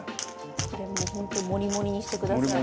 これも、本当モリモリにしてください。